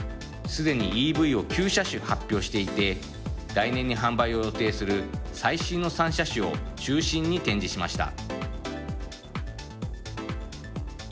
すでにＥＶを９車種発表していて来年に販売を予定する最新の３車種を中心に展示しました。